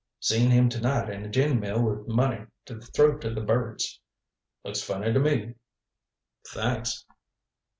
Seen him to night in a gin mill with money to throw to the birds. Looks funny to me." "Thanks."